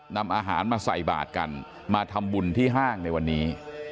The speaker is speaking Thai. นำอาหารมาใส่บาทกันมาทำบุญที่ห้างในวันนี้